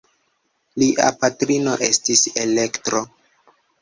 Lia patrino estis Elektro.